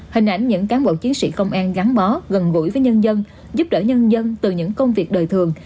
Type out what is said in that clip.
hình ảnh những cán bộ chiến sĩ công an gắn bó gần gũi với nhân dân giúp đỡ nhân dân từ những công việc đời thường